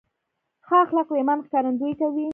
ښه اخلاق د ایمان ښکارندویي کوي.